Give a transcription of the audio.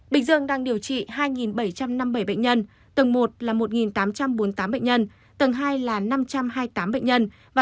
bình dương đang điều trị hai bảy trăm năm mươi bảy bệnh nhân tầng một là một tám trăm bốn mươi tám bệnh nhân tầng hai là năm trăm hai mươi tám bệnh nhân và tầng ba là ba